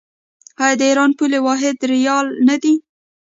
آیا د ایران پولي واحد ریال نه دی؟